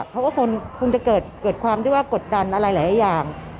เขาก็คงจะเกิดความที่ว่ากดดันอะไรหลายอย่าง